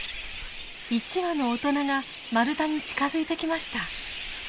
１羽の大人がマルタに近づいてきました。